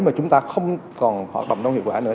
mà chúng ta không còn hoạt động đâu hiệu quả nữa